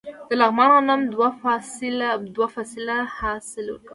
د لغمان غنم دوه فصله حاصل ورکوي.